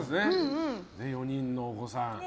４人のお子さん。